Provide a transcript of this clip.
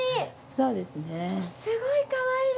そうですね。